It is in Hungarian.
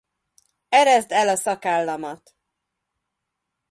Ereszd el a szakállamat!